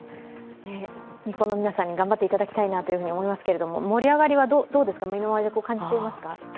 日本の皆さんに頑張っていただきたいなとも思いますけれども盛り上がりはどうですか身のまわりで感じてますか？